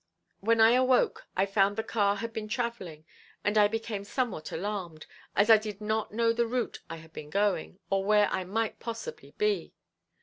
When I awoke I found the car had been traveling, and I became somewhat alarmed, as I did not know the route I had been going, or where I might possibly be.